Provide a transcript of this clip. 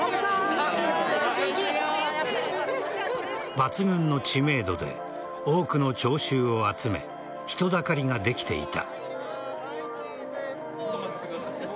抜群の知名度で多くの聴衆を集め人だかりができていた。